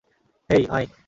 হেই, আয়।